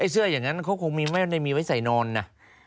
เสื้ออย่างนั้นเขาคงไม่ได้มีไว้ใส่นอนนะ